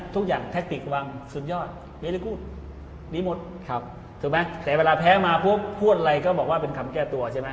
ทุกอย่างสุดยอดดีหมดครับถูกไหมแต่เวลาแพ้มาพูดอะไรก็บอกว่าเป็นคำแก้ตัวใช่ไหม